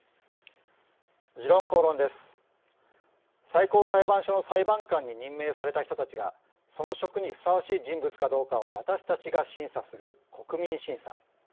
最高裁判所の裁判官に任命された人たちがその職にふさわしい人物かどうかを私たちが審査する国民審査。